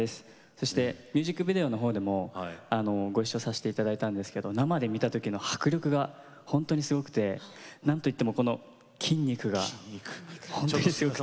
そしてミュージックビデオの方でもご一緒させて頂いたんですけど生で見た時の迫力がほんとにすごくて何といってもこの筋肉がほんとにすごくて。